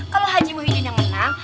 kalau haji muhyiddin yang menang